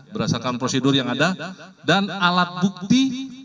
berdasarkan prosedur yang ada dan alat bukti